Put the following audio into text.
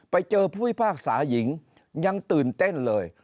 ไปเจอผู้พิพากษาหญิงยังตื่นเต้นเลย